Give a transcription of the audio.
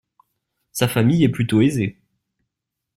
Sa famille est plutôt aisée.